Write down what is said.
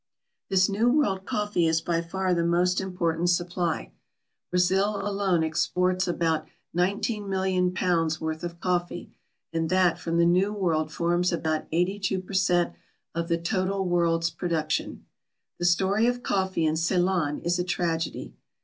This New World coffee is by far the most important supply. Brazil alone exports about £19,000,000 worth of coffee, and that from the New World forms about 82 per cent of the total world's production. The story of coffee in Ceylon is a tragedy.